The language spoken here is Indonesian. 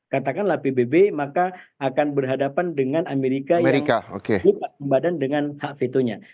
katakanlah pbb maka akan berhadapan dengan amerika yang bebas badan dengan hak vetonya